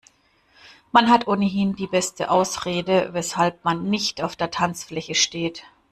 Man hat ohnehin die beste Ausrede, weshalb man nicht auf der Tanzfläche steht.